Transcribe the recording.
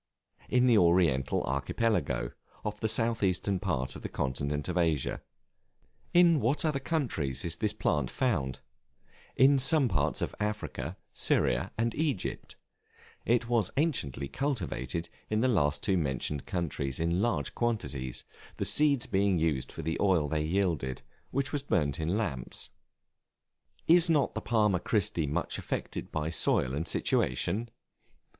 In the Oriental Archipelago, off the south eastern part of the continent of Asia. In what other countries is this plant found? In some parts of Africa, Syria, and Egypt. It was anciently cultivated in the two last mentioned countries in large quantities, the seeds being used for the oil they yielded, which was burnt in lamps. [Illustration: BEAVERS BUILDING THEIR HUTS.] Is not the Palma Christi much affected by soil and situation?